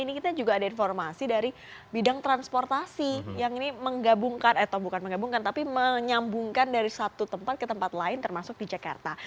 ini kita juga ada informasi dari bidang transportasi yang ini menggabungkan atau bukan menggabungkan tapi menyambungkan dari satu tempat ke tempat lain termasuk di jakarta